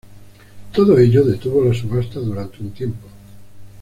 Todo ello detuvo la subasta durante un tiempo.